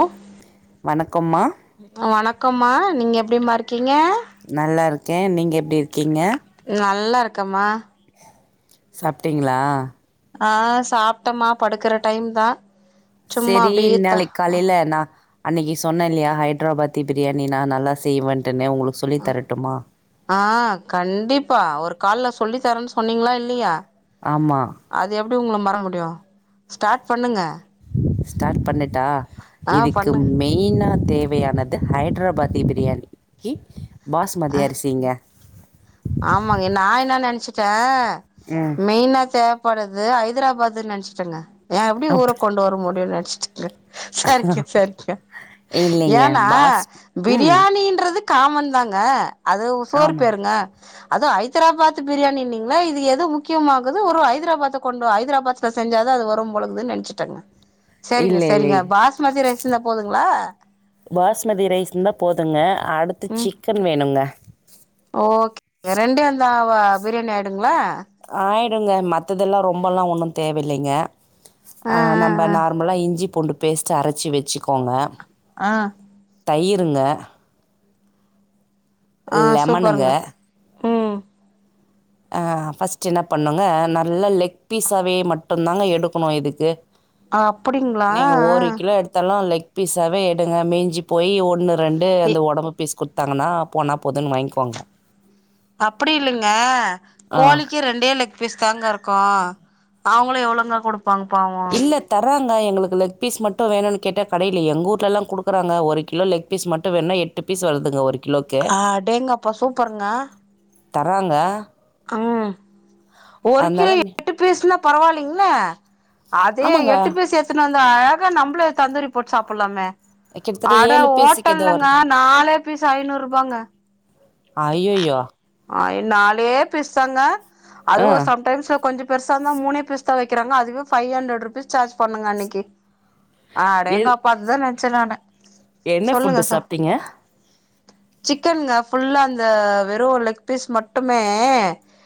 அ வணக்கம் மா அ வணக்கம்மா நீங்க எப்டிமா இருக்கீங்க நல்லா இருக்கே நீங்க எப்டி இருக்கீங்க நல்லா இருக்கம்மா சாப்ட்டிங்களா ஆ சாப்ட்டேமா படுக்குற டைம் தா சும்மா செரி அப்டியே த நாளைக் காலையில நா அன்னைக்கு சொன்னே இல்லையா ஹைட்ராபாத்தி பிரியாணி நா நல்லா செய்வேன்ட்டுனு உங்களு சொல்லித் தரட்டுமா ஆ கண்டிப்பா ஒரு கால்ல சொல்லி தரேன்னு சொன்னீங்களா இல்லையா ஆமா அது எப்டி உங்கள மறக்க முடியு ஸ்டார்ட் பண்ணுங்க ஸ்டார்ட் பண்ணட்டா ஆ இதுக்கு பண்ணுங்க மெயினா தேவையானது ஹைட்ராபாத்தி பிரியாணிக்கு பாஸ்மதி அரிசிங்க ஆமாங்க நா என்ன நெனைச்சுட்டே ம் மெயினா தேவப்படது ஹதராபாத்ன்னு நெனைச்சட்டேங்க நா எப்படி ஊர அப் கொண்டு வர முடியும்னு நெனைச்சுட்டேங்க சரிக்க சரிக்க இல்லைங்க ஏன்னா பாஸ் ம் பிரியாணின்றது காமன் தாங்க அது சோறு ஆமாம் பேருங்க அது ஐதராபாத் பிரியாணினிங்களா இது எது முக்கியமாகுது ஒரு ஐதராபாத்த கொண்டு ஐதராபாத் செஞ்சாதா அது வரும் போலக்குதுனு நெனச்சுட்டேங்க செரிங்க இல்லை இல்லை செரிங்க பாஸ்மதி ரைஸ் இருந்தா போதுங்களா பாஸ்மதி ரைஸ் இருந்தா போதுங்க அடுத்து சிக்கன் வேணுங்க ஓகேங்க ரெண்டும் இருந்தா பிரியாணி ஆயிடுங்களா ஆயிடுங்க மத்ததெல்லா ரொம்பல்லா ஒன்னு தேவையில்லைங்க ஆ நம்ம நார்மலா இஞ்சி பூண்டு பேஸ்ட்டு அரைச்சு வச்சிக்கோங்க ஆ தயிருங்க ஆ லெமனுங்க சூப்பருங்க ம் ஆ ஃபர்ஸ்ட் என்ன பண்ணுங்க நல்ல லெக் பீஸாவே மட்டுந்தாங்க எடுக்கணு இதுக்கு அப்டிங்களா நீங்க ஒரு கிலோ எடுத்தாலு லெக் பீஸாவே எடுங்க மீஞ்சி போய் ஒன்னு ரெண்டு எ அந்த உடம்பு பீஸ் குடு த்தாங்கன்னா போனா போதுன்னு வாங்கிக்கோங்க அப்டி இல்லைங்க ஆ கோழி க்கு ரெண்டே லெக் பீஸ் தாங்க இருக்கு அவங்களு எவ்ளோங்கா குடுப்பாங்க பாவோ தர்றாங்க எங்களுக்கு லெக் பீஸ் மட்டு வேணுனு கேட்டா கடையில எங்க ஊட்லல்லா கு டுக்குறாங்க ஒரு கிலோ லெக் பீஸ் மட்டு வேணுனா எ ட்டு பீஸ் வருதுங்க ஒரு கிலோக்கு ஆடேங்கப்பா சூப்பருங்க தராங்க ஆ ஒரு அதனால கிலோ நீ எட்டு பீஸ்ன்னா பரவாலைங்ள அதே ஆமாங்க எட்டு பீஸ் எத்துனு வந்து அழகா நம்ளே தந்தூரி போட்டு சாப்புலாமே கிட்டத்தட்ட அட ஏழு பீஸுக்கு ஏதோ ஓட்டல்லங்க நாலே பீஸ் ஐநூறு ரூபாங்க அய்யய்யோ ஆ நாலே பீஸ்தாங்க ஆ அதுவு சம்டைம்ஸ்ல கொஞ்ச பெருசாந்தா மூனே பீஸ்தா வெக்கிறாங்க அதுவே ஃபைவ் அண்ட்ரட் ரூபிஸ் சார்ஜ் பண்ணுங்க அன்னக்கி எ அடேங்கப்பா அதுதா நெனச்சே நானு என்ன ஃபுட்டு சாப்ட்டிங்க சிக்கன்ங்க ஃபுல்லா அந்த வெறு லெக் பீஸ் மட்டுமே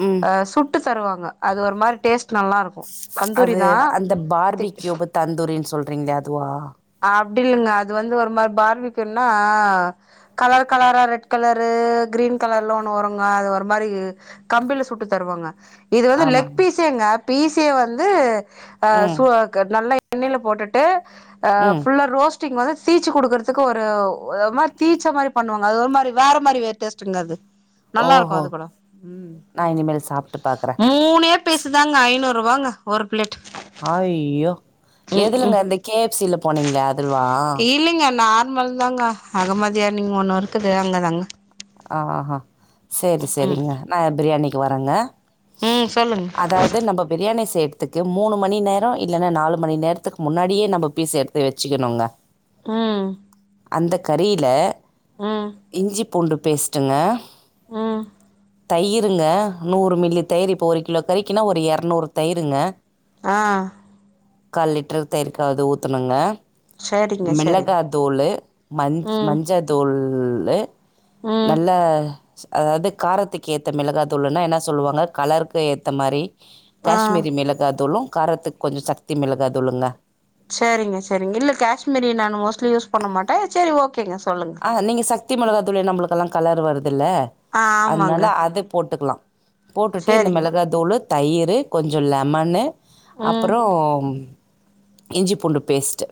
ம் ஆ சுட்டு தருவாங்க அது ஒரு மாரி டேஸ்ட் நல்லாரு அது அந்த பார்பி கியூபு தந்தூரின் சொல்றீங்ளே அதுவா அப்டில்லங்க அது வந்து ஒரு மாரி பார்பிக்கியூனா கலர் கலரா ரெட் கலரு கிரீன் கலர்ல ஒண்ணு வருங்க அது ஒரு மாரி கம்பில சுட்டு தருவாங்க இது வந்து லெக் ஆமாங்க பீஸேங்க பீஸே வந்து‌ஆ ம் சு க நல்ல எண்ணய்ல போட்டுட்டு ஆ ம் ஃபுல்லா ரோஸ் ட்டிக் மார் தா தீச்சு குடுக்கற்துக்கு ஒருமாரி தீச்ச மாரி பண்ணுவாங்க அது ஒரு மாரி வேற மாரி டேஸ்டுங்க அது நல்லாருக்கு ஓஹோ அது கூட ம் நான் இனிமேல் சாப்பிட்டு பார்க்குறேன் மூனே பீஸு தாங்க ஐநூறு ரூவாங்க ஒரு பிளேட் அய்யோ ம் எதுலங்க ம் இந்த கே எப் சி ல போனீங்ள அதுல்வா இல்லைங்க நார்மல் தாங்க அகமதியான் இங்க ஒண்ணு இருக்குது அங்க தாங்க ஆ ஹா செரி ம் செரிங்க நா பிரியாணிக்கு வரேங்க ம் சொல்லுங்க அதாவ்து நம்ம பிரியாணி செய் த்துக்கு மூனு மணி நேரோ இல்லன்னா நாலு மணி நேரத்துக்கு முன்னாடியே நம்ப பீஸ் எடுத்து வச்சுக்கனுங்க ம் அந்த கறில ம் இஞ்சி பூண்டு பேஸ்ட்டுங்க ம் தயிருங்க நூறு மில்லி தயிரு இப்போ ஒரு கிலோ கறிக்கினா ஒரு எர்நூறு தயிருங்க ஆ கால் லிட்ரு தயிருக்காவ்து ஊத்தனுங்க சரிங்க சரிங்க மிளகா தூளு மஞ் ம் மஞ்ச தூள்ளு ம் நல்ல அதாவ்து காரத்துக்கு ஏத்த மிளகாதூளுனா என்ன சொல்லுவாங்க கலருக்கு ஏத்த மாரி ஆ காஷ்மீரி மிளகாதூளு காரத்துக்கு கொஞ்சொ சக்தி மிளகாதூளுங்க சேரிங்க சேரிங்க இல்ல காஷ்மீரி நானு மோஸ்ட்லி யூஸ் பண்ண மாட்டே செரி ஓகேங்க சொல்லுங்க ஆ நீங்க சக்தி மொளகாதூளே நம்ளுக்கல்லா கலர் வருதுல்ல ஆ அதனால ஆமாங்க அது போட்டுக்லா போட்டுட்டு இந்த சரிங்க மிளகா தூளு தயிரு கொஞ்சோ லெமனு ம் அப்றோ இஞ்சிப்பூண்டு பேஸ்ட்டு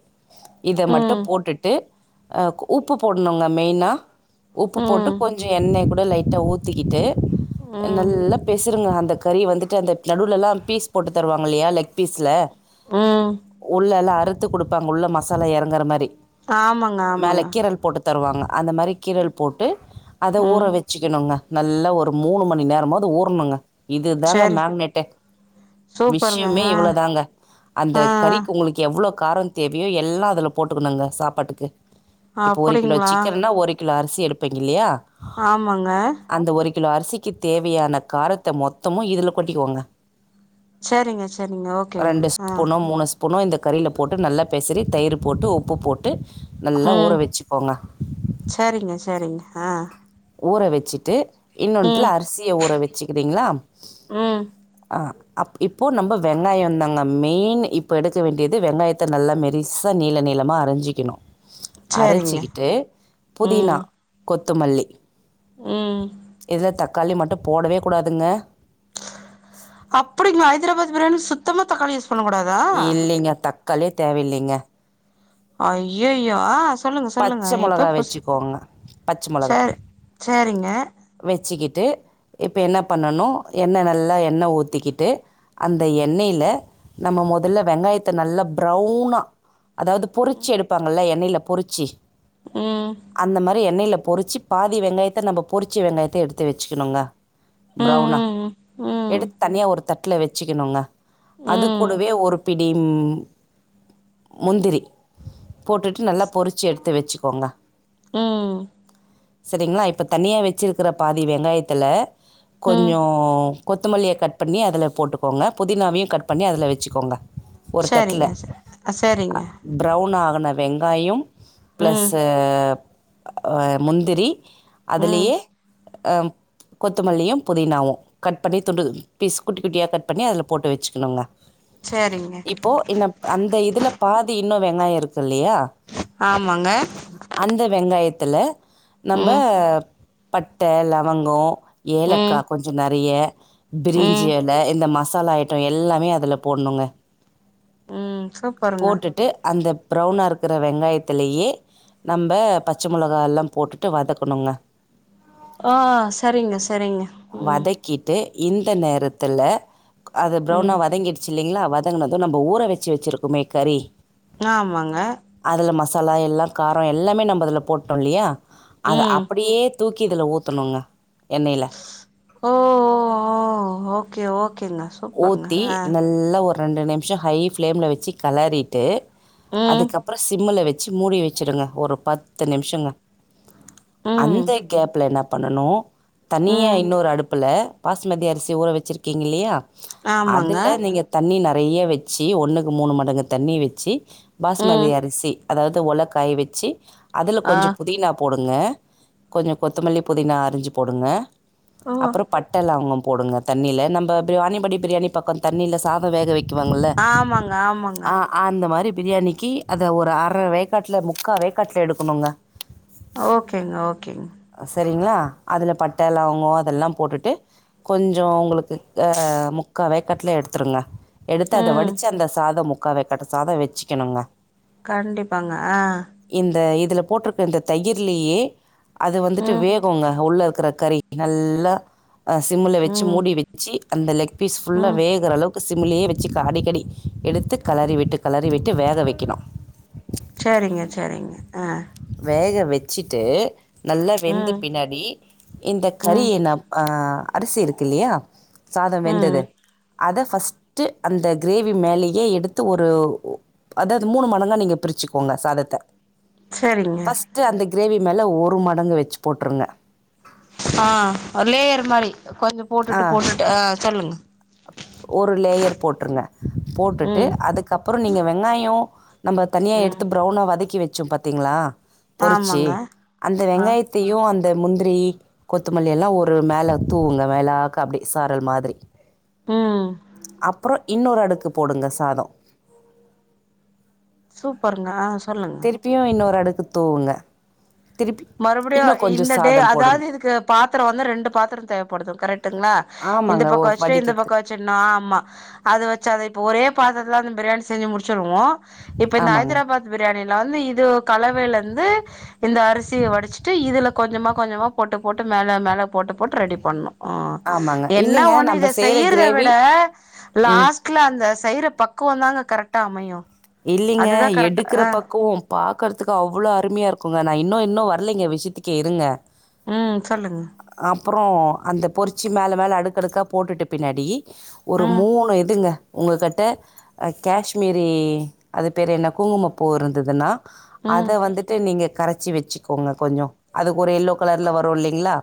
இத மட்டு ம் போட்டுட்டு ஆ உப்பு போட்னுங்க மெய்னா உப்பு போட்டு ம் கொஞ்சொ எண்ணய கூட லைட்டா ஊ த்திக்கிட்டு ம் நல்லா பெசருங்க அந்த கறி வந்துட்டு அந்த நடுவுலலா பீஸ் போட்டு தருவாங்கல்லயா லெக் பீஸ் ல ம் உள்ளலா அறுத்து கொடுப்பாங்க உள்ள மசாலா இறங்குற மாரி ஆமாங்க மேல ஆமாங்க கீரல் போட்டு தருவாங்க அந்த மாரி கீரல் போட்டு அத ஊற ம் வச்சுக்கணுங்க நல்லா ஒரு மூணு மணி நேரமாது ஊறணுங்க இதுதாங்க சரி மேக்னேட்டே சூப்பருங்க விஷயமே ஆ இவ்வளவுதாங்க அந்த ஆ கறி உங்களுக்கு எவ்வளோ காரம் தேவையோ எல்லா அதுல போட்டுக்கணுங்க சாப்பாட்டுக்கு ஆ இப்ப ஒரு கிலோ அப்படிங்களா சிக்கன்னா ஒரு கிலோ அரிசி எடுப்பீங்க இல்லையா ஆமாங்க அந்த ஒரு கிலோ அரிசிக்கு தேவையான காரத்த மொத்தமு இதுல கொட்டிக்கோங்க சரிங்க சரிங்க ஓகேங்க ஆ போனு இந்த கறியில போட்டு நல்லா பெசறி தயிர் போட்டு உப்பு போட்டு நல்லா ஊற ம் வச்சுக்கோங்க சரிங்க சரிங்க ஆஹ் ஊற வச்சுட்டு இன்னொன்னுத்துல ம் அரிசிய ஊற வச்சுக்கிறீங்களா ம் அஹ் அப் இப்போ நம்ம வெங்காயம்ந்தாங்க மெயின் இப்போ எடுக்க வேண்டியது வெங்காயத்த நல்லா மெலிசா அத நீள நீலமா அரைஞ்சிக்கணு சரிங்க அரைச்சிக்கிட்டு புதினா ம் கொத்துமல்லி ம் இதுல தக்காளி மட்டு போடவே கூடாதுங்க அப்டிங்களா ஹைதராபாத் பிரியாணி சுத்தமா தக்காளி யூஸ் பண்ணக் கூடாதா இல்லைங்க தக்காளியே தேவலைங்க ஐஐயோ ஆ சொல்லுங்க சொல்லுங்க பச்சை இப்போ மிளகா புச வச்சுக்கோங்க பச்சை மிளகா சரி சேரிங்க வச்சுக்கிட்டு இப்ப என்ன பண்ணனு எண்ணெ நல்லா எண்ணெ ஊத்திக்கிட்டு அந்த எண்ணெயில நம்ம முதல்ல வெங்காயத்த நல்லா ப்ரௌனா அதாது பொறிச்சி எடுப்பாங்கல்ல எண்ணயில பொறிச்சி ம் அந்த மாரி எண்ணெயில பொறிச்சு பாதி வெங்காயத்த நம்ம பொரிச்சி வெங்காயத்த எடுத்து வச்சுக்கணுங்க ம் பிரவுனா ம் எடுத் தனியா ஒரு தட்ட ல வச்சுக்கணுங்க அது ம் கூடவே ஒரு பிடி ம் முந்திரி போட்டுட்டு நல்லா பொறிச்சி எடுத்து வச்சுக்கோங்க ம் சரிங்களா இப்ப தனியா வச்சிருக்கற பாதி வெங்காயத்துல ம் கொஞ்சோ கொத்தமல்லிய கட் பண்ணி அதுல போட்டுக்கோங்க புதினாவையு கட் பண்ணி அதுல வச்சுக்கோங்க ஒரு தட்டுல சரிங்க சரிங்க ப்ரௌன் ஆகனு வெங்காயம் பிளஸ் ம் ஆஹ் முந்திரி ம் அதுலயே கொத்தமல்லியு புதினாவு கட் பண்ணி துண்டு பீஸ் குட்டி குட்டியா கட் பண்ணி அதுல போட்டு வச்சுக்கணுங்க சேரிங்க இப்போ என்ன அந்த இதுல பாதி இன்னு வெங்காயோ இருக்குல்லையா ஆமாங்க அந்த வெங்காயத்துல நம்ம ம் பட்ட லவங்கோ ஏலக்கா ம் கொஞ்ச நிறைய பிரிஞ்சி ம் இல இந்த மசாலா ஐட்டோ எல்லாமே அதுல போடணுங்க ம் சூப்பருங்க போட்டுட்டு அந்த ப்ரௌனா இருக்கிற வெங்காயத்துலயே நம்ம பச்ச மிளகா எல்லா போட்டுட்டு வதக்கணுங்க ஆ சரிங்க சரிங்க ம் வதக்கிட்டு இந்த நேரத்துல அது ப்ரௌனா ம் வதங்கிட் டில்லைங்களா வதங்குனது நம்ம ஊற வெச்சு வெச்சிருக்குமே கறி ஆமாங்க அதுல மசாலா எல்லா காரோ எல்லாமே நம்ம அதுல போட்டோல்லையா அத ம் அப் யே தூக்கி இதுல ஊத்தணுங்க எண்ணையில் ஓ ஓ ஓ ஓகே ஓகேங்க சூப்பருங்க ஊத்தி ஆ நல்லா ஒரு ரெண்டு நிம்ஷோ ஹை ஃப்ளேமில வெச்சு களாறிட்டு ம் அதுக்கப்புற சிம்ல வெச்சு மூடி வெச்சடுங்க ஒரு பத்து நிம்ஷங்க ம் அந்த கேப்ல என்ன பண்ணனு தனியா ம் இன்னொரு அடுப்பு ல பாஸ்மதி அரிசி ஊற வச்சுருக்கீங்கல்லையா ஆமாங்க அதுல நீங்க தண்ணி நிறைய வெச்சி ஒன்னுக்கு மூணு மடங்கு தண்ணி வெச்சி ம் பாஸ்மதி அரிசி அதாவது வொல காய வெச்சு அதுல ஆ கொஞ்ச புதினா போடுங்க கொஞ்ச கொத்தமல்லி புதினா அரிஞ்சி போடுங்க ஓ அப்புறம் பட்ட லவங்க போடுங்க தண்ணில நம்ம பிரியாணி படி பிரியாணி பக்க தண்ணில சாத வேக வெக்குவாங்கள்ள ஆமாங்க ஆமாங்க ஆ அந்த மாரி பிரியாணிக்கு அத ஒரு அர வேக்காட்டுல முக்கா வேக்காட்டுல எடுக்கணுங்க ஓகேங்க ஓகேங்க சரிங்களா அதுல பட்ட லவங்கோ அதெல்லா போட்டுட்டு கொஞ்ச உங்ளுக்கு ஆ முக்கா வேக்கட்டுல எடுத்துடுங்க எடுத்து அத ம் வடிச்சு அந்த சாதம் மு க்கா வேகட்ட சாத வெச்சுக்கணுங்க கண்டிப்பாங்க அ இந்த இதுல போட்டிருக்க இந்த தயிர்லயே அது வந்துட்டு ம் வேகுங்க உள்ள இருக்குற கறி நல்லா சிம்ல வெச்சி ம் மூடி வெச்சி அந்த லெக் பீஸ் ஃபுல்லா ம் வேகுற அளவுக் சிம்லயே வெச்சு அடிக்கடி எடுத்து கலாறிவிட்டு கலாறிவிட்டு வேக வெக்கணு செரிங்க செரிங்க அ வேக வெச்சிட்டு நல்லா வெந்த ம் பின்னாடி இந்த ம் கறிய ன்னா அ அரிசி இருக்கு இல்லயா சாதோ ம் வெந்தது அத ஃபஸ்ட்டு அந்த கிரேவி மேலயே எடுத்து ஒரு அதா அது மூணு மடங்கா நீங்க பிரிச்சுக்கோங்க சாதத்த செரிங்க ட்டு அந்த கிரேவி மேல ஒரு மடங்கு வெச்சு போட்ருங்க அ லேயர் மாரி கொஞ்சோ போட்டுட்டு ஆ போட்டுட்டு ஆ சொல்லுங்க ஒரு லேயர் போட்ருங்க போட்டுட்டு ம் அதுக்கப்றோ நீங்க வெங்காயோ நம்ம தனியா ம் எடுத்து ப்ரவுனா வதக்கி வெச்சோ பாத்தீங்ளா பொரிச்சி ஆமாங்க அந்த ஆ வெங்காயத் தியு அந்த முந்த்ரி கொத்தமல்லி எல்லா ஒரு மேல தூவுங்க மேலாக்க அப்டி சாரல் மாதிரி ம் அப்புற இன்னொரு அடுக்கு போடுங்க சாதோ சூப்பருங்க அ சொல்லுங் ப்யு இன்னொரு அடுக்கு தூவுங்க திருப்பி மறுபுடியு இன்னும் கொஞ்சம் இந்த டே சாதம் போடுங்க அதாவது இதுக்கு பாத்தரோ வந்து ரெண்டு பாத்தரோ தேவப்படுது கரெக்ட்டுங்ளா இந்த ஆமாங்க ஓ பக்கோ வெச்சுட்டு இந்த பக்கோ வடிக்கிறதுக்கு வெச்சு நா ஆமா அத வெச்சு அத இப்ப ஒரே பாத்தரத்துல அந்த பிரியாணி செஞ்சு முடிச்சிருவோ இப்ப இந்த ஆமாங்க ஐதராபாத் பிரியாணில வந்து இது கலவைலந்து இந்த அரிஸ் சிய வடிச்ட்டு இதுல கொஞ்சமா கொஞ்சமா போட்டு போட்டு மேல மேல போட்டு போட்டு ரெடி பண்ணு ஆ ஆமாங்க என்னா இல்லைங்க ஒண்ணு நம்ம இத செய்கிற செய்யிறத கிரேவி விட ம் லாஸ் க்ல அந்த செய்ற பக்குவோ தாங்க கரெக்டா அமயு இல்லீங்க எடுக்குற பக்குவோம் பாக்கறதுக்கு அவ்ளோ அருமையாருக்குங்க நா இன்னு இன்னு வர்லைங்க விஷ்யத்துக்கே இருங்க ஆ சொல்லுங்க அப்றோ அந்த பொரிச்சு மேல மேல அடுக்கடுக்கா போட்டுட்டு பின்னாடி ஒரு ம் மூணு இதுங்க உங்க கட்ட காஷ்மீரி அது பேரு என்ன குங்குமப் பூ இருந்ததுன்னா ம் அத வந்துட்டு நீங்க கரைச்சி வச்சுக்கோங்க கொஞ்சோ அதுக்கு ஒரு எல்லோ கலர்ல வரு இல்லைங்ளா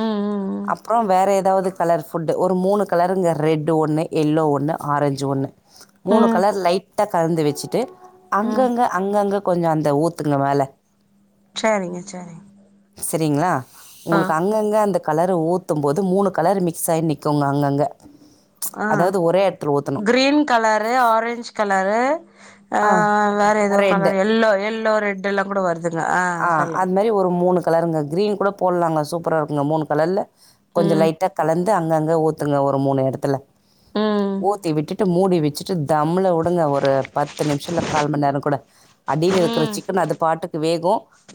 ம் ம் ம் அப்றோ வேற எதாவது கலர் ஃபுட்டு ஒரு மூணு கலருங்க ரெட்டு ஒன்னு எல்லோ ஒன்னு ஆரெஞ்சு ஒன்னு மூணு ம் கலர் லைட்டா கலந்து வச்சிட்டு ம் அங்கங்க அங்கங்க கொஞ்சோ அந்த ஊத்துங்க மேல சேரிங்க சேரி செரிங்ளா உங்களுக்கு அங் அங்கங்க அந்த கலரு ஊத்து போது மூணு கலரு மிக்ஸாயி நிக்குங்க அங்கங்க ஆ க்ரீன் கலரு ஆரெஞ்ச் கலரு ஆ வேற ஏதோ ரெட்டு கலரு எல்லோ எல்லோ ரெட்டெல்லா கூட வருது ஆ அது மாரி ஒரு மூணு கலருங்க க்ரீன் கூட போட்லாங்க சூப்பராருக்குங்க மூணு கலர்ல கொஞ்சோ ம் லைட்டா கலந்து அங்கங்க ஊத்துங்க ஒரு மூணு எடத்துல ம் ஊத்தி விட்டுட்டு மூடி விச்சுட்டு தம்ல வுடுங்க ஒரு பத் து நிம்ஷல கால் மண்நேரோ கூட அடிலருக்குற ம் சிக்கன் அது பாட்டுக்கு வேகு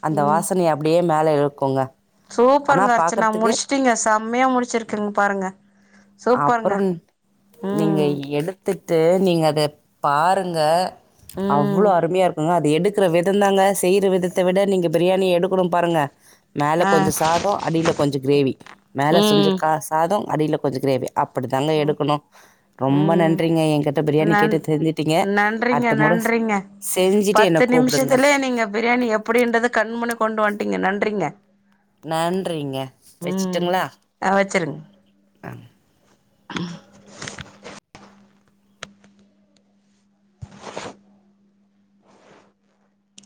அந்த ம் வாசனய அ ப்டியே மேல இழுக்குங்க சூப்பருங்க ஆனால் அர்ச்சனா பார்க்கறத்துக்கு முடிச்ட்டீங்க செம்மயா முடிச்சுருக்ங் பாருங்க சூப்பருங்க நீங்க ம் எ த்துட்டு நீங்க அத பாருங்க அவ்ளோ ம் அருமையாருக்குங்க அத எடு க்ற விதோ தாங்க செய்ற விதத்த விட நீங்க பிரியாணி எடுக்கணு பாருங்க மேல ஆ கொஞ்சோ சாதோ அடில கொஞ்சோ க்ரேவி மேல சொஞ்ச ம் கா சாதோ அடில கொஞ்சோ க்ரேவி அப்டித்தாங்க ம் எடுக்கணு ரொம்ப ம் நன்றிங்க என்கிட்ட பிரியாணி கேட்டு தெரிஞ்சுட்டீங்க றிங்க அடுத்த முற நன்றிங்க செஞ்சுட்டு என்ன பத்து கூப்பிடுங்க நிமிஷத்துலே நீங்க பிரியாணி எப் டின்றது கண்முன்னே கொண்டு வந்துட்டீங்க நன்றிங்க நன்றிங்க ம் வச்சுட்டுங்களா ஆ வச்சிருங்க ஆ